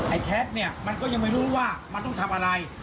แคทเนี่ยมันก็ยังไม่รู้ว่ามันต้องทำอะไร